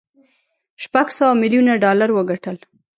شپږ سوه ميليونه ډالر وګټل.